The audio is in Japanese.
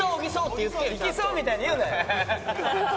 「いきそう」みたいに言うなよ。